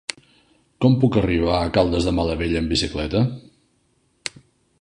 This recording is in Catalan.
Com puc arribar a Caldes de Malavella amb bicicleta?